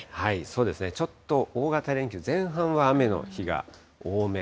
そうですね、ちょっと大型連休前半は雨の日が多め。